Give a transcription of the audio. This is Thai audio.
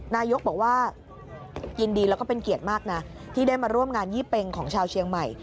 นายกบอกว่ายินดีแล้วก็เป็นเกียรติมากนะที่ได้มาร่วมงานยี่เป็งของชาวเชียงใหม่